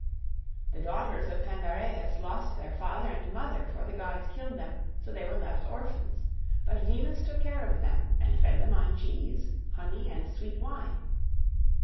The daughters of Pandareus lost their father and mother, for the gods killed them, so they were left orphans. But Venus took care of them, and fed them on cheese, honey, and sweet wine.